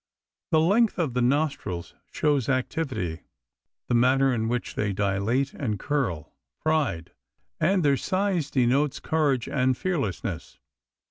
The length of the nostrils shows activity; the manner in which they dilate and curl, pride; and their size denotes courage and fearlessness.